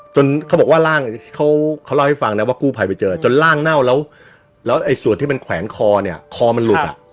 เขาบอกว่าร่างที่เขาเล่าให้ฟังนะว่ากู้ภัยไปเจอจนร่างเน่าแล้วแล้วไอ้ส่วนที่มันแขวนคอเนี่ยคอมันหลุดอ่ะ